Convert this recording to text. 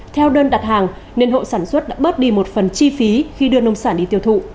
theo đơn đặt hàng nên hộ sản xuất đã bớt đi một phần chi phí khi đưa nông sản đi tiêu thụ